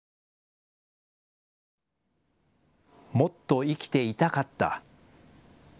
もっと生きていたかった。